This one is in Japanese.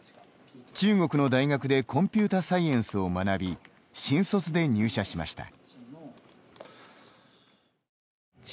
中国の大学でコンピューターサイエンスを学び新卒で入社しました。